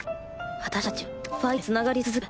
私たちはファイトでつながり続ける。